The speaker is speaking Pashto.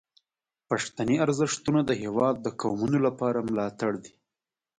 پښتني ارزښتونه د هیواد د قومونو لپاره ملاتړ دي.